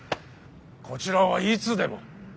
こちらはいつでも。